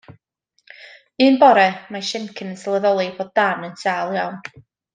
Un bore, mae Siencyn yn sylweddoli bod Dan yn sâl iawn.